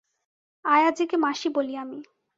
আয়াজিকে মাসি বলি আমি।